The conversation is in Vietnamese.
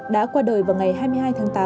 đã qua đời vào ngày hai mươi hai tháng tám